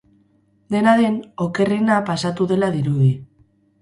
Dena den, okerrena pasatu dela dirudi.